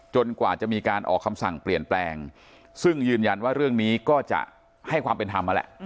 กว่าจะมีการออกคำสั่งเปลี่ยนแปลงซึ่งยืนยันว่าเรื่องนี้ก็จะให้ความเป็นธรรมนั่นแหละ